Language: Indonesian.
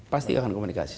pasti akan komunikasi